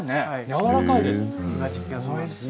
やわらかいです。